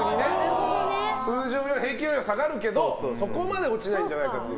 通常より平均よりは下がるけどそこまで落ちないんじゃないかと。